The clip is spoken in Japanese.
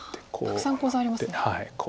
たくさんコウ材ありますね。